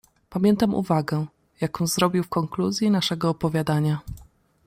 "Pamiętam uwagę, jaką zrobił w konkluzji naszego opowiadania."